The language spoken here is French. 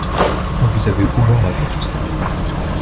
Vous avez ouvert la porte ?